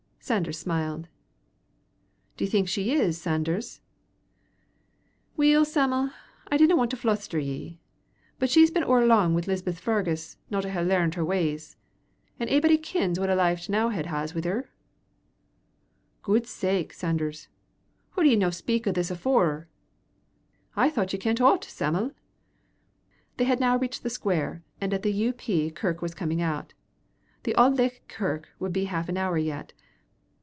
Sanders smiled. "D'ye think she is, Sanders?" "Weel, Sam'l, I d'na want to fluster ye, but she's been ower lang wi' Lisbeth Fargus no to hae learnt her ways. An' a'body kins what a life T'nowhead has wi' her." "Guid sake, Sanders, hoo did ye no speak o' this afoore?" "I thocht ye kent o't, Sam'l." They had now reached the square, and the U.P. kirk was coming out. The Auld Licht kirk would be half an hour yet.